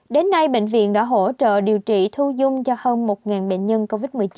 đến nay bệnh viện đã hỗ trợ điều trị thu dung cho hơn một bệnh nhân covid một mươi chín